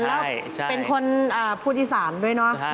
แล้วเป็นคนพูดอีสานด้วยเนอะ